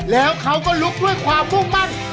แล้วเขาก็ลุกด้วยความมุ่งมั่น